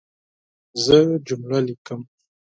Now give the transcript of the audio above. زه جمله لیکم.